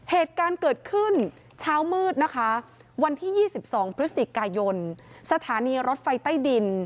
เหตุการณ์เกิดขึ้นเช้ามืดนะคะวันที่๒๒พฤศจิกายนสถานีรถไฟใต้ดิน